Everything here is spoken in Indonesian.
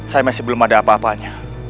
saya masih belum ada apa apanya